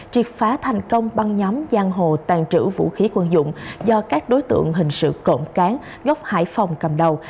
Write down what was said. triệt phá thành công băng nhóm giang hồ tàn trữ vũ khí quân dụng do các đối tượng hình sự cộng cán gốc hải phòng cầm đầu